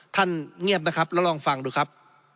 เงียบนะครับแล้วลองฟังดูครับ